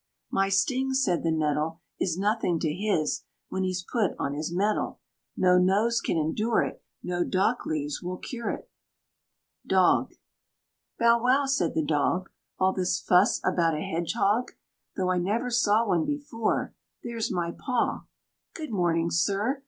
"My sting," said the Nettle, "Is nothing to his when he's put on his mettle. No nose can endure it, No dock leaves will cure it." DOG. "Bow wow!" said the Dog: "All this fuss about a Hedgehog? Though I never saw one before There's my paw! Good morning, Sir!